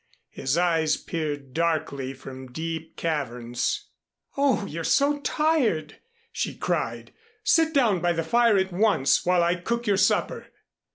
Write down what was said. His eyes peered darkly from deep caverns. "Oh! You're so tired," she cried. "Sit down by the fire at once, while I cook your supper."